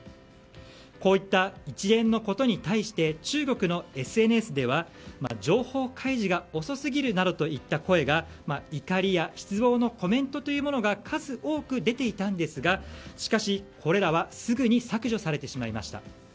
こういった一連のことに対して中国のＳＮＳでは情報開示が遅すぎるなどといった声が怒りや失望のコメントが数多く出ていたんですがしかし、これらはすぐに削除されてしまいました。